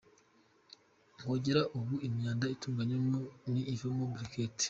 Kugera ubu imyanda itunganywa ni ivamo briquette.